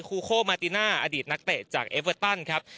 ูโคมาติน่าอดีตนักเตะจากเอเวอร์ตันครับ